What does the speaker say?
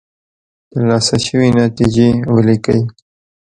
ترلاسه شوې نتیجې ولیکئ.